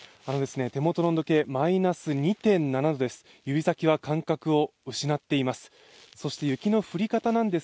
手元の温度計マイナス２．７度です。